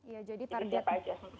ya jadi targetnya